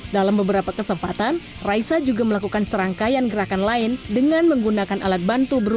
dalam beberapa kesempatan raisa juga melakukan serangkaian gerakan lain dengan menggunakan alat bantu berubah